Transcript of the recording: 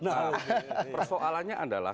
nah persoalannya adalah